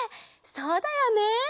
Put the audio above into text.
そうだよね！